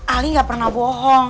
ali gak pernah bohong